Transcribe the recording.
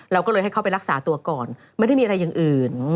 เราก็เลยให้เขาไปรักษาตัวก่อนไม่ได้มีอะไรอย่างอื่น